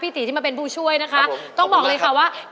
พี่ตีที่มาเป็นผู้ช่วยนะคะต้องบอกเลยค่ะว่าครับผมขอบคุณเลยค่ะ